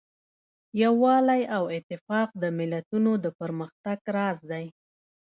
یووالی او اتفاق د ملتونو د پرمختګ راز دی.